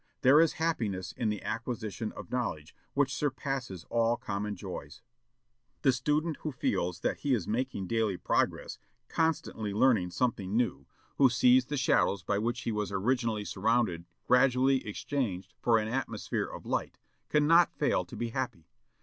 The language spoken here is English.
There is happiness in the acquisition of knowledge, which surpasses all common joys. The student who feels that he is making daily progress, constantly learning something new, who sees the shadows by which he was originally surrounded gradually exchanged for an atmosphere of light, cannot fail to be happy.